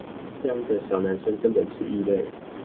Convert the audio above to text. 這樣的小男生跟本是異類